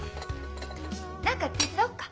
何か手伝おっか？